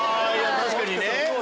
確かにね！